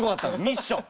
ミッション。